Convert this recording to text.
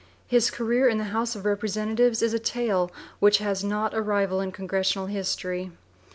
His career in the House of Representatives is a tale which has not a rival in congressional history.